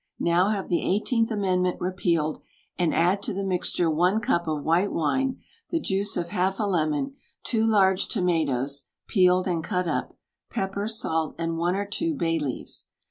Now have the Eighteenth Amendment repealed and add to the mixture one cup of White Wine, the juice of half a lemon, two large tomatoes (peeled and cut up), pepper, salt and one or two bay leaves.